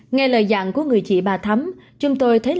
nghe lời dặn của người chị bà thấm